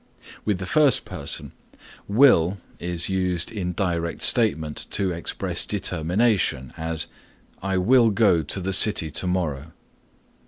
With the first person will is used in direct statement to express determination, as, "I will go to the city to morrow."